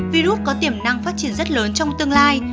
virus có tiềm năng phát triển rất lớn trong tương lai